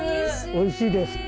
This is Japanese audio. おいしいですって。